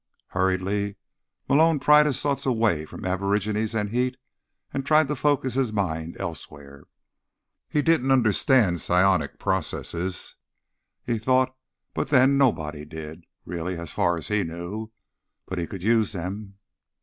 Hurriedly, Malone pried his thoughts away from aborigines and heat, and tried to focus his mind elsewhere. He didn't understand psionic processes, he thought; but then, nobody did, really, as far as he knew. But he could use them.